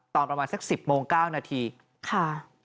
ตอนประมาณสัก๑๐โมง๙นาทีค่ะ